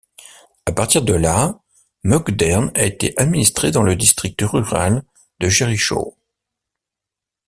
À partir de là, Möckern a été administré dans le district rural de Jerichow.